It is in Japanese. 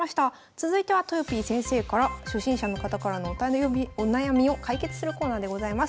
続いてはとよぴー先生から初心者の方からのお悩みを解決するコーナーでございます。